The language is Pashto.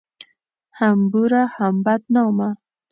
هم بوره ، هم بدنامه